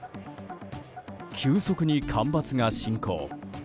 急速に干ばつが進行。